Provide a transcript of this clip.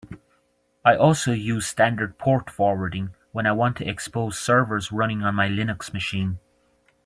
I also use standard port forwarding when I want to expose servers running on my Linux machine.